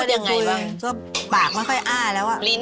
อืมอืมอืมอืม